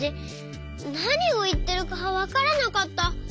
なにをいってるかわからなかった。